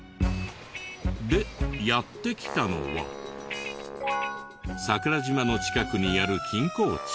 でやって来たのは桜島の近くにある錦江町。